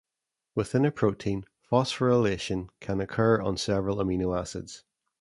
Within a protein, phosphorylation can occur on several amino acids.